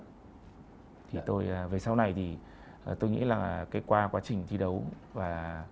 thì tôi về sau này thì tôi nghĩ là cái qua quá trình thi đấu và